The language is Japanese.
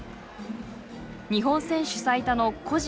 日本選手最多の個人